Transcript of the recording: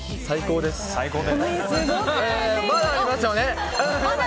まだありますよね。